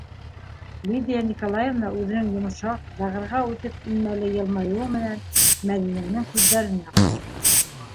- Лидия Николаевна үҙенең йомшаҡ, бәғергә үтеп инмәле йылмайыуы менән Мәҙинәнең күҙҙәренә ҡараны.